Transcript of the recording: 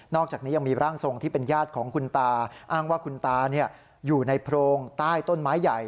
อกจากนี้ยังมีร่างทรงที่เป็นญาติของคุณตาอ้างว่าคุณตาอยู่ในโพรงใต้ต้นไม้ใหญ่